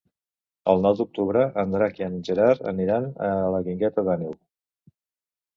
El nou d'octubre en Drac i en Gerard aniran a la Guingueta d'Àneu.